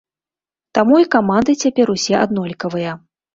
Таму і каманды цяпер усе аднолькавыя.